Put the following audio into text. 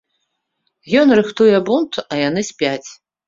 Ён рыхтуе бунт, а яны спяць.